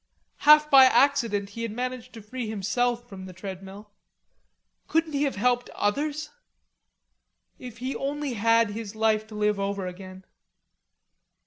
Half by accident he had managed to free himself from the treadmill. Couldn't he have helped others? If he only had his life to live over again.